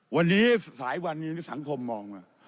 วันนี้หลายวันนี้สังคมมองว่า